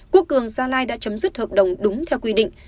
quốc cường gia lai đã chấm dứt hợp đồng đúng theo quy định